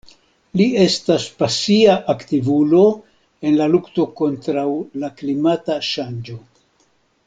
Li estas pasia aktivulo en la lukto kontraŭ la klimata ŝanĝo.